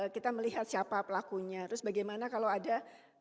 kita melihat siapa pelakunya terus bagaimana kalau ada